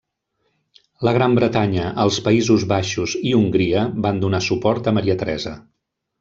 La Gran Bretanya, els Països Baixos i Hongria van donar suport a Maria Teresa.